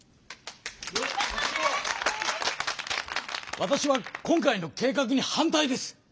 わたしは今回の計画に反対です！